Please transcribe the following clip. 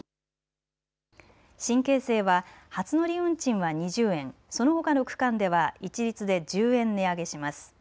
新京成は初乗り運賃は２０円、そのほかの区間では一律で１０円値上げします。